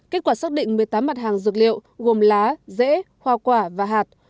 kết quả xác định một mươi tám mặt hàng dược liệu gồm lá rễ hoa quả và hạt